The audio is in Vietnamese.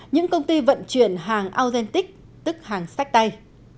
những công ty vận chuyển hàng ozenic tức hàng sách tay